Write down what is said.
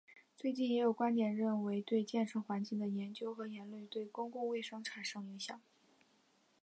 最近也有观点认为对建成环境的研究和言论对公共卫生产生影响。